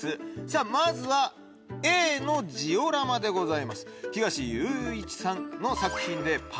さぁまずはＡのジオラマでございます。